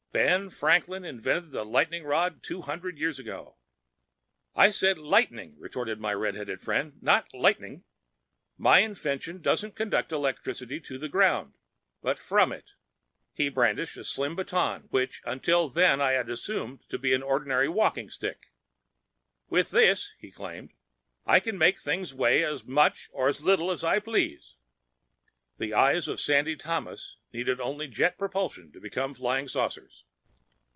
Ben Franklin invented the lightning rod two hundred years ago." "I said lightening," retorted my redheaded friend, "not lightning. My invention doesn't conduct electricity to the ground, but from it." He brandished a slim baton which until then I had assumed to be an ordinary walking stick. "With this," he claimed, "I can make things weigh as much or as little as I please!" The eyes of Sandy Thomas needed only jet propulsion to become flying saucers.